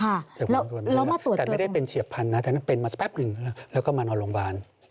แล้วนะตรวจกระดูกว่าตอนไม่ได้เป็นเฉียบพันธุ์แต่นั่นเป็นมาสักแป๊บหนึ่งแล้วก็มานอนโรงบาล